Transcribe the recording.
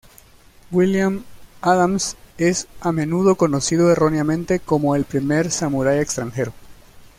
William Adams es a menudo conocido erróneamente como el primer samurái extranjero.